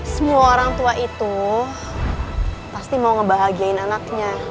semua orang tua itu pasti mau ngebahagiain anaknya